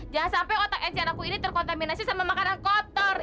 jangan sampai otak eceran aku ini terkontaminasi sama makanan kotor